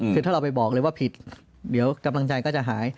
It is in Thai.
คือถ้าเราไปบอกเลยว่าผิดเดี๋ยวกำลังใจก็จะหาย